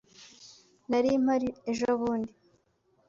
Nari mpari ejobundi.